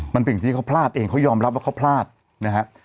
มันเป็นสิ่งที่เขาพลาดเองเขายอมรับว่าเขาพลาดนะฮะ